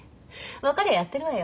分かりゃやってるわよ。